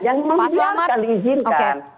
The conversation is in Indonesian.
yang memang tidak akan diizinkan